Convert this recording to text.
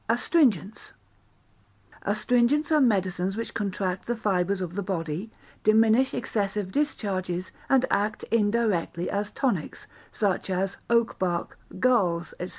Astringents Astringents are medicines which contract the fibres of the body, diminish excessive discharges, and act indirectly as tonics, such as oak bark, galls, &c.